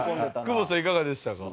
久保田さんいかがでしたか？